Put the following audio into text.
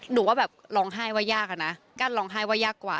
หนูก็แบบร้องไห้ว่ายากอะนะกั้นร้องไห้ว่ายากกว่า